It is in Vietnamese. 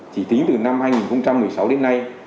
chỉ tính từ năm hai nghìn một mươi sáu đến nay